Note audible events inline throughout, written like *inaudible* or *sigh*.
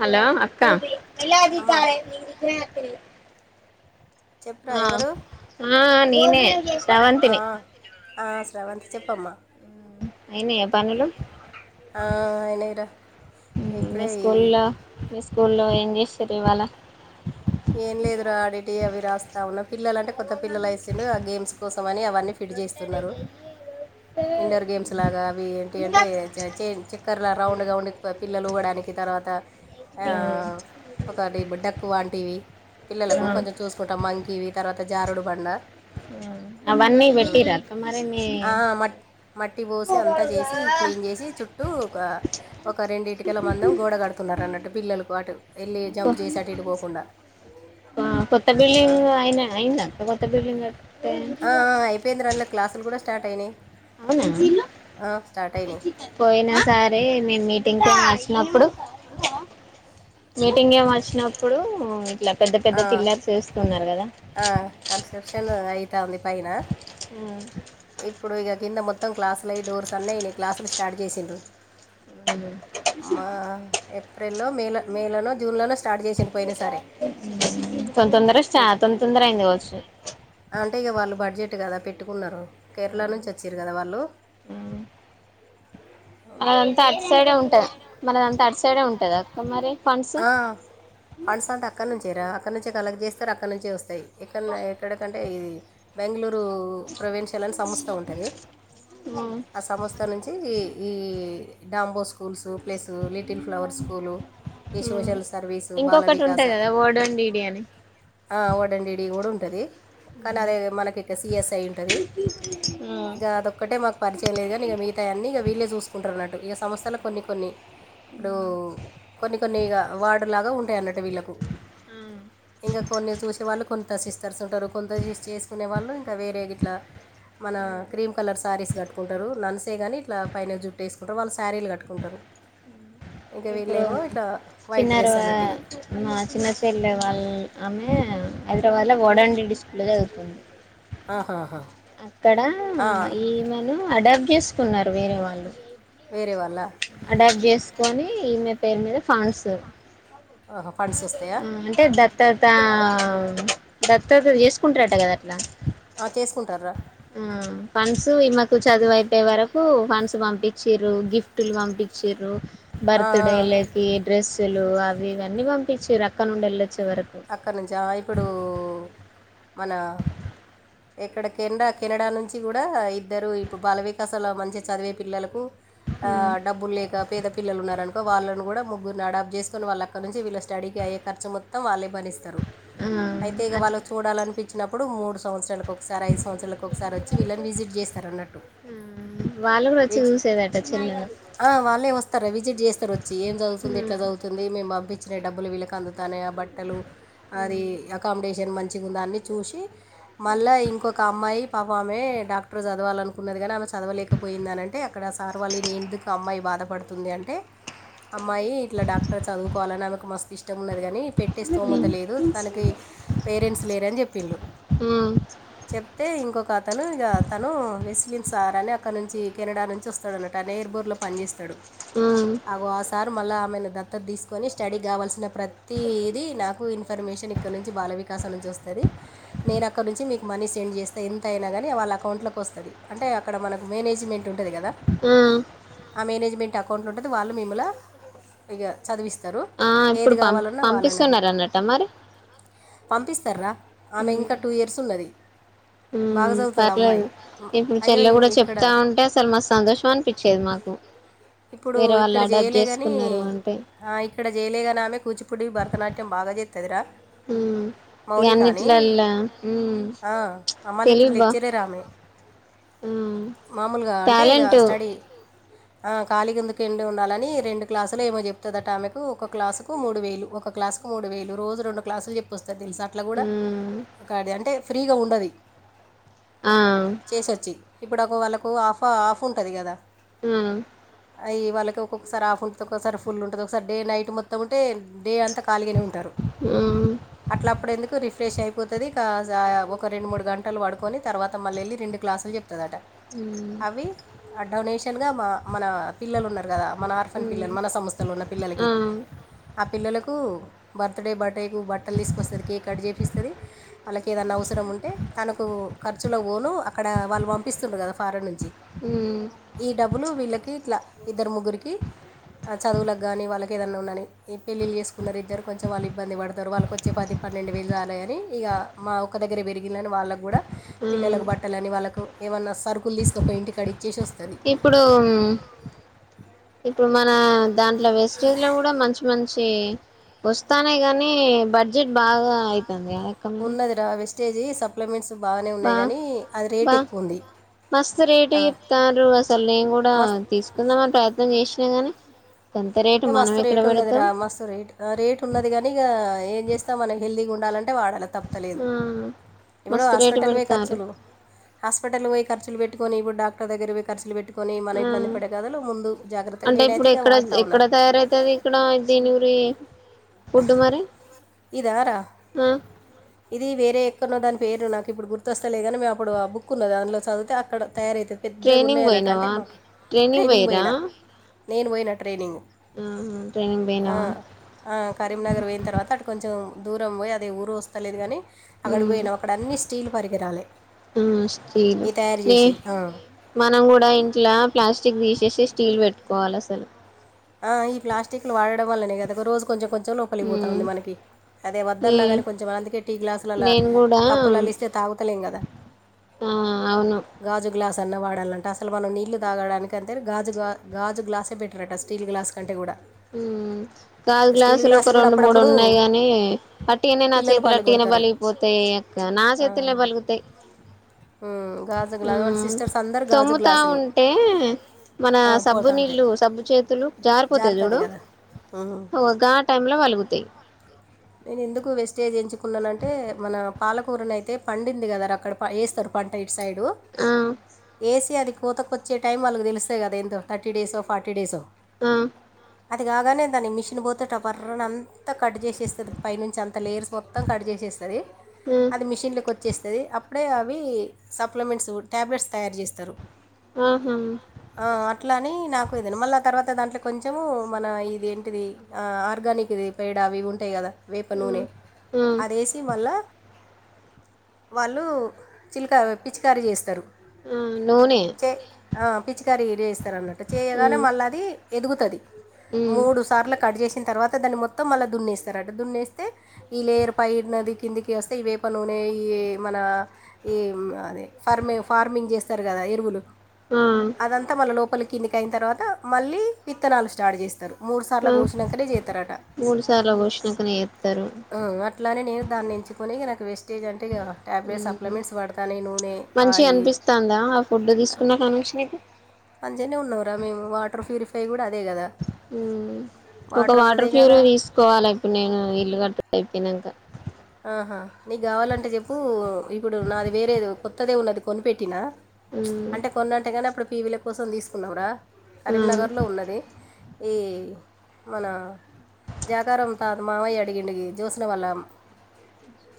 Hello అక్కా అమ్మా చెప్పురా ఆ ఎవరు ఆ నేనే ఆ, శ్రవంతిని ఆ శ్రావంతి చెప్పమ్మా అయ్నియ పనులు ఆ అనిరా మీ స్కూల్లో మీ స్కూల్లో ఏం చేసిర్రు ఇవాళ ఏం లేదురా ఆడిటి అవి రాస్తా ఉన్నా పిల్లలు అంటే కొత్త పిల్లలు ఎసిండు ఆ గేమ్స్ కోసం అని అవన్ని ఫిడి చేస్తున్నారు *unintelligible* ఇండోర్ గేమ్స్ లాగా అవి ఏంటి అంటే చ చక్కర్లా రౌండ్గా ఉండి పిల్లలు ఉగ్డానికి తర్వాత ఒకటి బుడ్డకు వంటివి పిల్లలకు కొంచె చూస్కుంటాం మంకిీవి తర్వాత జారుడు బండ అవన్నీ ఆ. పెట్టిరక్క మరి మీ మట్ మట్టి పోసి అంతా చేసి క్లీన్ చేసి చుట్టూ ఒక ఒక రెండు ఇటుకల మందం గోడ కడుపుము అతున్నన్నారు అన్నట్టు పిల్లలకు అటు వెళ్ళి జంప్ చేసి అటు ఇటు పోకుండా ఆ కొత్త బిల్డింగ్ అయినా అయింద కొత్త బిల్డింగ్ ఆ అయిపోయింది అందులో క్లాసులు కూడా స్టార్ట్ అయినాయి అవునా స్టార్ట్ అయినాయి పోయిన సరే మేం మీటింగ్కి అని వచ్నప్పుడు మీటింగ్ ఏమో వచ్చినప్పుడు ఇట్లా పెద్ద పెద్ద పిల్లర్ ఎస్తున్నారు కదా ఆ కన్సట్రెప్షన్ అయితాంది పైన ఆ ఇప్పుడు ఇక కింద మొత్తం క్లాసులుయ్యి డోర్స్ అన్నయి క్లాసులు స్టార్ట్ చేసిండ్రు మ ఏప్రిల్ మే లోనో జూన్లోనో స్టార్ట్ చేచేసిన్రు పోయినా సరే తొంతోందర చా తొంతోందర అయింది కావచ్చు అంటే ఇక వాళ్ళు బడ్జెట్ కదా పెట్టుకున్నారు కేరళ నుంచి వచ్చారు కదా వాళ్ళు ఆ అదంతా అటు సైడే ఉంటది మనదంతా అటు సైడే ఉంటది అక్క మరి ఫండ్స్ ఆ ఫండ్స్ అంతా అక్కడి నుంచేరా అక్కడి నుంచే కలక్ చేస్తారు అక్కడి నుంచే వస్తాయి ఎక్కడన్నా ఎక్కడకంటే ఇది బెంగళూరు ప్రొవన్షిల్ సంస్థ ఉంటంది ఆ సంస్ స్తా నుంచి ఈ డాంబో schools plus little flower school ఈ సోషల్ సర్వీసు ఇంకొకటి బాలవికాస ఉంటది కదా ఓడోన్ డీడీ అని ఆ వోడండడి కూడా ఉంటుంది కానీ అదేదో మనకి ఇక సిఎస్ఐ ఉంటుంది ఇంక అదొక్కటే మాకు పరిచయం లేదు కానీ ఇక మిగతాయి అన్నీ ఇక వీళ్ళే చూసుకుంటారు అన్నట్టు ఇక సంస్థలో కొన్ని కొన్ని ఇప్పుడు కొన్ని కొన్ని ఇగ వార్డులాగా ఉంటాయి అన్నట్టు వీళ్ళకు ఇంకా కొన్ని చూసేవాళ్ళ కొన్ని కొత్త సిస్టర్స్ ఉంటారు కొంత చేసుకునే వాళ్ళు ఇంకా వేరే ఇట్లా మన క్రీమ్ కలర్ శారీస్ కట్టుకుంటారు నన్స్ అంతేగానీ ఇట్లా పైన జుట్టు వేసుకుంటారు వాళ్ళు శారీలు కట్టుకుంటారు ఇంకా వీళ్ళేమో ఇట్లా వైట్ చిన్నార డ్రెస్ అన్నట్టు ఇక. మా చిన్నచైల్ల వాళ్ళ ఆమె హైదరాబాద్ లో వడండి స్కూల్లో చదువుతుంది ఆహాహా అక్కడ ఆ, ఈమెనూ అడాప్ట్ చేసుకున్నారు వేరే వాళ్ళు వేరే వాళ్ళ అడాప్ట్ చేసుకొని ఈమె పేరు మీద ఫంన్డ్స్ అహ ఫండ్స్ వస్తాయా అంటే దత్తాత దత్తత చేసుకుంటారట కదా అట్లా ఆ చేసుకుంటారా ఆ ఫండ్స్ ఈమకు చదువు అయిపోయే వరకు ఫండ్స్ పంపించ్రు గిఫ్ట్లు పంపించ్రు ఆ, ఆ. బర్త్ డే కి డ్రెస్సులు అవి ఇవన్నీ పంపించి రక్క నుండి వెళ్ళొచ్చే వరకు అక్కడ నుంచ ఇప్పుడు మన ఇక్కడ కెనడా కెనడా నుంచి కూడా ఇద్దరు ఇప్పుడు బాల వికాసంలో మంచిగా చదివే పిల్లలకు ఆ డబ్బు లేక పేద పిల్లలున్నారనుకో వాళ్ళను కూడా ముగ్గురు అడాబ్ చేసుకోని వాళ్ళక్కడి నుంచి వీళ్ల స్డకి అయ్యే ఖర్చు మొత్తం వీళ్ళే భరిస్త స్తారు ఆ ఆ అయితే ఇగ వాళ్ళు అట్లా చూడాలనిపించినప్పుడు మూడు సంవత్సరాల ఒకసారి ఐదు సంవత్సరాల ఒకసారి వచ్చి వీళ్ళని విజిట్ చేస్తారు అన్నట్టు వాళ్ళను కూడ వచ్చి విజ్ చూసేదంట చిన్నా ఆ వాళ్ళే వస్తారా విజిట్ చేస్తారు వచ్చి ఏ చదుతుంది ఎట్లా చదువుతుంది మేము పప్పించిన డబ్బులు వీళకి అందు తనయా బట్టలు అది అకామిడేషన్ మంచిగా ఉందా అన్ని చూసి మళ్ళీ ఇంకొక అమ్మాయి పాప ఆమె డాక్టర్ చదవాల అనుకున్నదిగాని ఆమె చదవలేకపోయింద అని అంటే అక్కడ సార్ వాళ్లు ఎందుకు ఆ అమ్మాయి బాధపడుతుంది అంటే అమ్మాయి ఇట్లా డాక్టర్ చదువుకోవాలని ఆమెకు మస్తు ఇష్టం ఉన్నది కాని పెట్టి స్తోమత లేదు తనకి పేరెంట్స్ లేరని చెప్పిండు ఆ చెప్తే ఇంకొక అతను ఇక తను వెస్ట్లిన్స్ ఆర్ అని అక్కడ నుంచి కెనడా నుంచి వస్త వస్తాడనటు ఎయిర్ బోర్ లో పనిచేస్తాడు హ్మ్ ఆగో ఆసారు మళ్ళా ఆమెను దత్తత తీసుకొని స్టడీ కావాల్సిన ప్రతీ ఇది ఇన్ఫర్మేషన్ ఇక్కడనుంచి బాలవికాసం నుంచి వస్తది, నేను అక్కడనుంచి మీకు మనీ సెండ్ చేస్తే ఎంత అయినా గానీ వాళ్ళ అకౌంట్ లోకి వస్తాది అంటే అక్కడ మనకు మేనేజ్మెంట్ ఉంటది కదా. ఆ ఆ మేనేజ్మెంట్ అకౌంట్ ఉంటది, వాళ్ళు మిమ్ముల ఇక చదివిస్తారు ఆ ఇప్పుడు ఏది పం కావాలన్నా వాళ్ళనే అడుగు పంపిస్తున్నారన్నట మరి పంపిస్తార్రా ఆమె ఇంకా టూ ఇయర్స్ ఉన్నది. బాగా హ్మ్ చదువుతుంది ఆ అమ్మాయి పర్లేదు ఇప్పుడు అయ్యో చెల్లె ఈ- కూడా ఇక్కడ చెప్తా ఉంటే అసలు మా సంతోషం అని పిచ్చేది మాకు ఇప్పుడు వేరేవాళ్ళు ఆడాప్ట్ చేసుకున్నారు అంటే ఆ ఇక్కడ చెయ్యలేదుగాని అమె కూచిపూడి భరతనాట్యం బాగా చేస్తదిరా. హ్మ్ ఇగ మౌనిక అని, అన్నిట్లల్లా హ్మ్ ఆ మళ్ళా ఇప్పుడు తెలివి బా లెక్చరర్ ఆమె హ్మ్ మామూలుగా అంటే ఇక టాలెంట్ స్టడీ ఆ ఖాళీగా ఎందుకీండే ఉండాలని రెండు క్లాసులు ఏమో చెప్తుందట ఆమెకు ఒక క్లాసుకు మూడువేలు ఒక క్లాసు మూడు వేలు రోజు రెండు క్లాసులు చెప్పొస్తది తెలుసా అట్లా కూడా హ్మ్ ఒకది అంటే ఫ్రీగా ఉండది. ఆ చేసొచ్చి ఇప్పుడు ఒక వాళ్ళకు ఆఫ్ ఆఫ్ ఉంటది కదా. హ్మ్ ఆ అవి వాళ్ళకి ఒక్కొక్కసారి హాఫ్ ఉంటది, ఒక్కోసారి ఫుల్ ఉంటది, ఒకసారి డే నైట్ మొత్తం అంటే డే అంతా ఖాళీగానే ఉంటారు. హ్మ్ అట్లా అప్పుడు ఎందుకు రిఫ్రెష్ అయిపోతది ఇక ఒక రెండు మూడు గంటలు పడుకొని తర్వాత మళ్ళా వెళ్ళి రెండు క్లాసులు చెప్తుదట, అవి ఆ డొనేషన్ గా మ మన పిల్లలు ఉన్నారు. కదా, మన ఆర్ఫన్ హ్మ్ పిల్లలు మన సంస్థలో ఉన్న పిల్లలకి ఆ ఆ పిల్లలకు కు బర్త్ డే బర్త్ డే కు బట్టలు తీసుకొస్తది, కేక్ కట్ చేపిస్తది. వాళ్ళకి ఏదన్నా అవసరం ఉంటే తనకు ఖర్చులకి పోను అక్కడ వాళ్ళు పంపిస్తుండారు కదా ఫారెన్ నుంచి ఉమ్ ఈ డబ్బులు వీళ్ళకి ఇట్లా, ఇద్దరు ముగ్గురికి ఆ చదువులకు కానీ వాళ్ళకి ఏదన్నా ఉన్నాని ఈ పెళ్ళిళ్ళు చేసుకుని ఉన్నది ఇద్దరు కొంచెం వాళ్ళు ఇబ్బంది పడతారు వాళ్ళకి వచ్చే పది పన్నెండు వేలు చాల్లే అని ఇక మా ఒక్కదగ్గరే పెరిగిండ్రని వాళ్ళకు కూడా హ్మ్ పిల్లలకు బట్టలని వాళ్ళకు ఏమన్నా సరుకులు తీసుకపోయి ఇంటికాడ ఇచ్చేసి వస్తది. ఇప్పుడు ఇప్పుడు మన దాంట్లో వేస్టేజ్ లో కూడా మంచి మంచి చి వస్తాన్నాయి గానీ బడ్జెట్ బాగా అయితంది కదక్కా మరి. ఆ వెస్టేజీ సప్లిమెంట్స్ బాగానే బా ఉన్నాయి కానీ అది రేట్ బా ఎక్కువ ఉంది. మస్తు రేటు చెప్తారు. అసలు నేను కూడా మస్తు తీసుకుందాం అని ప్రయత్నం చేసినా గాని గంత రేటు మనం ఎక్కడ పెడతాం? సో రేట్ రేట్ ఉన్నది కానీ ఇక ఏం చేస్తాం, మనం హెల్దీగా ఉండాలంటే వాడలా తప్పుతలేదు. ఆ ఇప్ఫుడు మస్తు రేటు హాస్పిటల్ కి పోయే పెడతారు ఖర్చులు హాస్పిటల్ కి పోయే ఖర్చులు పెట్టుకుని, ఇప్పుడు డాక్టర్ దగ్గరకి పోయే ఖర్చులు పెట్టుకుని కొని మనం ఆ ఇబ్బంది పడే కథలో ముందు జాగ్రత్తగా నేనైతే ఇక వాడతా ఉన్నా తయారయితది ఇక్కడ దీని గురి ఫుడ్డు మరి ఇదారా ఆ ఇది వేరే ఎక్కడనో దాని పేరు నాకు ఇప్పుడు గుర్తొస్తలే కానీ మేము అప్పుడు ఆ బుక్ ఉన్నది అందులో చదివితే అక్కడ తయారయితది. పెద్దగా ట్రైనింగ్ ఉన్నాయి అన్నట్టు అంటే పోయినావా మాకు ట్రైనింగ్ పోయిన, నేను పోయినా ట్రైనింగ్. ఊహు ఆ ఆ కరీంనగర్ పోయిన తర్వాత అటు కొంచెం దూరంపోయి అది ఏ ఊరో వస్తల్లేదు కానీ అక్కడ ఉమ్ పోయినాం అక్కడ అన్నీ స్టీల్ పరికిరాలే ఆ స్టీల్ ఇ తయారు నే చేసేది ఆ మనం కూడా ఇంట్లో ప్లాస్టిక్ తీసేసి స్టీల్ పెట్టుకోవాలి అసలు ఈ ప్లాస్టిక్లు వాడడం వల్లనే కదా ఒక రోజు కొంచెం కొంచెం లోపలికి ఉమ్ పోతాఉంది మనకి అదే నే వద్దన్న కానీ కొంచెం అందుకే టీ గ్లాసులల నేను ఆ కూడా కప్పులల ఇస్తే తాగుతలేం కదా ఆ అవును గాజు గ్లాస్ అన్నా వాడాలంట అసలు మనం నీళ్ళు తాగడానికి అయితే గాజుగా గాజు గ్లాసే బెట్టరట అసలు స్టీల్ గ్లాస్ కంటే కూడా హ్మ్ గాజు స్టీల్ గ్లాసులు గ్లాస్ ఒక కూడా రెండు మూడు అప్పుడప్పుడు ఉన్నాయి గాని వట్టిగానే నా పిల్లలు చేతులు పళ్ళు వట్టి గానే కొడతారని పలిగిపోతాయి నా ఆ, చేతుల్లో పలుగుతయ్ ఉమ్, గాజు గ్లాస్ హ్మ్ సిస్టర్స్ అందరు గాజు తొమ్ముతా గ్లాసులు ఉంటే మన ఆ, సబ్బు పోతా ఉంటాయి నీళ్లు సబ్బు చేతులు జారిపోతాయి జారుతుంది చూడు కదా ఉమ్. గా ఆ టైం లో పలుగుతయి నేను ఎందుకు వెస్టేజ్ ఎంచుకున్నానంటే మన పాలకూరన అయితే పండింది కద ర అక్కడ వేస్తారు పంట ఇటు సైడు ఆ వేసి అది పూతకి వచ్చే టైం వాళ్ళకు తెలుస్తయి కద ఎందో థర్టీ డేసో ఫార్టీ డేసో ఆ అది కాగానే దాన్ని మిషన్ పోతే ఇట పరని అంత కట్ చేసేస్తది పైనుంచి అంత లేర్స్ మొత్తం కట్ చేసేస్తుంది హ్మ్ అది మిషన్లోకి వచ్చేస్తది అప్పుడే అవి సప్లిమెంట్స్ ట్యాబ్లెట్స్ తయారు చేస్తారు ఊహూ ఆ అట్లానే నాకు ఇది మళ్ళీ ఆ తర్వాత అతే దాంట్లో కొంచెము మన ఇది ఏంటిది ఆర్గానిక్ ఇది పేడా అవి ఇవి ఉంటాయి కదా ఆ వేపునూనె ఆ అదే మల్ల వాళ్ళు చిలకా పిచ్చికారీ చేస్తారు ఆ నూనె చే ఆ పిచ్చికరీ చేస్తారున్నట్టు ఆ చేయగానే మళ్ళా అది ఎదుగుతది ఉమ్ మూడు సార్లు కట్ చేసిన తర్వాత దాన్ని మొత్తం మళ్ళా దున్నేస్తారట దున్నేస్తే ఈ లేయర్ పై నది కిందికి వస్తే ఈ వేప నూనె ఈ మన ఏ అదే ఫార్మి ఫార్మింగ్ చేస్తారు కదా ఎరువులు ఆ అదంతా మళ్ళ లోపల కిందికి అయిన తర్వాత మళ్ళీ విత్తనాలు స్టార్ట్ చేస్తారు మూడుసార్లు ఆ ఘోషినాకనే చేతారట మూడు సార్లు పోసినాకనే చేత్తరు ఆ అట్లానే నేను దాన్ని ఎంచుకని నాకు వేస్ స్టేజ్ అంటే ఇగ టాబ్లెట్స్ ఉమ్ సప్లిమెంట్స్ వాడతాను నూనె ఆయి దా ఆ ఫుడ్ తీసుకున్నా కానిచ్చ నీకు అంచినే ఉన్నావురా మేము వాటర్ ప్యూరిఫై కూడా అదే కదా హ్మ్ ఒక వాటర్ అదే ఫ్లూరీ కదా తీసుకోవాలి అక్క నేను ఇల్లు కట్ట అయిపోయినాక ఆహా నీకు కావాలంటే చెప్పు ఇప్పుడు నాది వేరేది కొత్తదే ఉన్నది కొనిపెట్టినా ఉమ్ అంటే కొన్నింటేగానే అప్పుడు పీవీల కోసం తీసుకున్నాంరా ఉమ్ కరీంనగర్లో ఉన్నది ఈ మన జాకారం త మావయ్య అడిగిండు కి జ్యోత్స్న వాల్ల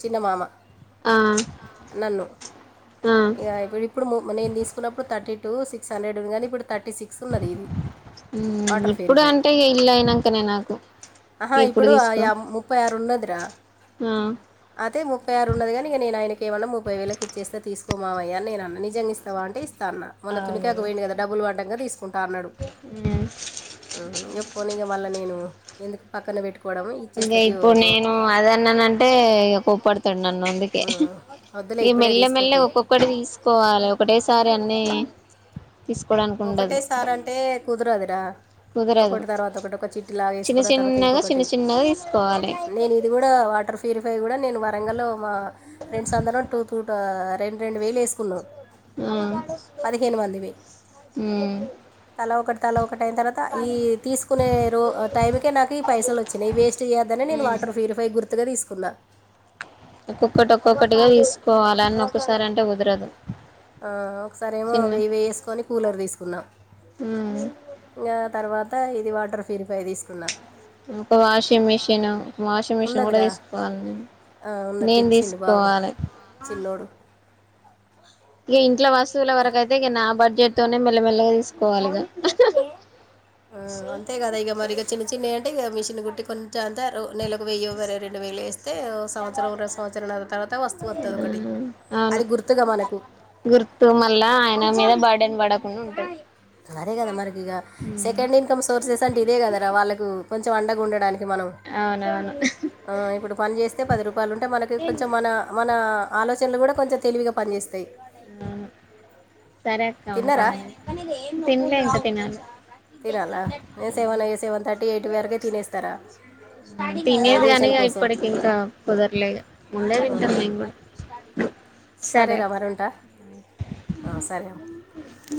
చిన్న మామ ఆ నన్ను ఆ ఇక ఇప్పుడు ఇప్పుడు మ నేను తీసుకున్నప్పుడు థర్టీ టూ సిక్స్ హండ్రెడ్ ఉంది కానీ ఇప్పుడు థర్టీ సిక్స్ ఉన్నది ఇది వాటర్ ఇప్పుడు ప్యూరిఫై అంటే ఇల్లు అయినాంకనే నాకు ఆహా ఇప్పుడు ఇప్పుడుయా ముప్పై ఆరు ఉన్నదిరా హ్మ్ అయితే ముప్పై ఆరు ఉన్నది కానీ ఇక నేను ఆయనక ఏమన్నా ముప్పై వేలకు ఇచ్చేస్తే తీసుకో మావయ్య అని నేను అన్న నిజంగా ఇస్తావా అంటే ఇస్తా అన్న మొన్న అవును తునికాకు పోయిండు కదా డబ్బులు పడ్డాంగా తీసుకుంటా అన్నడు ఉమ్ ఎప్పునీగ మళ్ళ నేను ఎందుకు పక్కన పెట్టుకోవడము ఇచ్చేస్తతి ఒ రో అంటే ననం అంటే ఇగ కోపడతాడు నన్ను అందుకే ఉమ్, వద్దులే ఈ ఇప్పుడే మెల్ల మెల్ల తీసుకోకులే ఒక్కొక్కటి తీసు కోవాలి ఒకటేసారి అన్నీ తీసుకోవడాని ఒకటే సార్ అంటే కుదరదురా కుదరదు ఒకటి తర్వాత ఒకటి ఒక చిట్టి లాగా చిన్న వేసుకున్న తర్వాత చిన్నగా చిన్న ఇంకొకటి చిన్నగా తీసుకోవాలి నేను ఇది కూడా వాటర్ఫ ప్యూరిఫై కూడా నేను వరంగల్లో మా ఫ్రెండ్స్ అందరం టూ తూ రెండు రెండు వేలు వేసుకున్నావ్ ఊ ఊ తల ఒకటి తల ఒకటి అయిన తర్వాత ఈ తీసుకునే రో టైంకే నాకు ఈ పైసలు వచ్ చినయ్ వేస్ట్ చేయద్దని నేను ఉమ్ వాటర్ ప్యూరిఫై గుర్తుగా తీసుకున్న ఒక్కొక్కటి ఒక్కొక్కటిగా తీసుకోవాలి అన్ని ఒక్కసారి అంటే కుదరదు ఆ ఒక్కసారేమో చిన్న వెయ్యి వెయ్యి వేసుకొని కూలర్ తీసుకున్నాం ఉమ్ ఇంకా తర్వాత ఇది వాటర్ ప్యూరిఫై తీసుకున్న ఒక వాషింగ్ మిషిన్ వాషింగ్ మిషిన్ కూడా ఉన్నదిరా తీసుకోవాలి నేను ఆ, ఉన్నది నేను తెచ్చిండు బాబు తీసుకోవాలి చిన్నోడు ఇగ ఇంట్ల వస్తువుల వరకయితే ఇగ నా బడ్జెట్ తోనే మెల్లమెల్లగా తీసుకోవాలిగ అంతే కదా ఇగ మరి ఇగ చిన్న చిన్నవి అంటే ఇగ మిషన్ కుట్టి కొన్ని జాంతారు నెలకు వెయ్యో వరే రెండు వేలో వేస్తే సంవత్సరం రెండు సంవత్సరం అ తర్వాత వస్తూ వస్తుంది ఒకటి అవును అది గుర్తుగా మనకు గుర్తు మళ్ళా ఆయన మీద బర్డెన్ పడకుండా ఉంట అరే గద మనకిగా సెకండ్ ఇన్కమ్ సోర్సెస్ అంటే ఇదే కదరా వాళ్ళకు కొంచెం అండగా ఉండడానికి మనం అవునవును ఆ ఇప్పుడు పని చేస్తే పది రూపాయలు ఉంటే మనకి కొంచెం మన మన ఆలోచనలు కూడా కొంచెం తెలివిగా పనిచేస్తాయి సరే అక్క తిన్నారా ఉంటాను నేను తిన్లె ఇంక తినాలి తినాలా ఏ సెవన్ ఏ సెవన్ థర్ తినేది కానీ డైజెషన్ ఇగ కోసం ఇప్పుటికి ఇంకా కుదర్లేగా ముందే తింటాం మేము కూడ సరే రా మరి ఉంట ఆ సరే ఉ